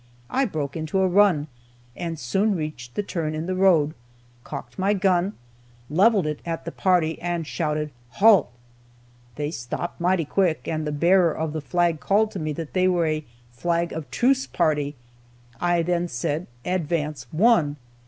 I broke into a run, and soon reached the turn in the road, cocked my gun, leveled it at the party, and shouted, "Halt!" They stopped, mighty quick, and the bearer of the flag called to me that they were a flag of truce party. I then said, "Advance, One."